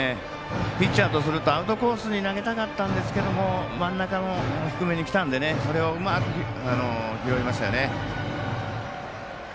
ピッチャーとするとアウトコースに投げたかったんですけど真ん中の低めにきたんでそれを、うまく拾いましたね。